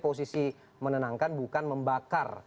posisi menenangkan bukan membakar